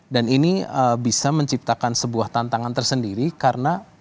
dan ini bisa menciptakan sebuah tantangan tersendiri karena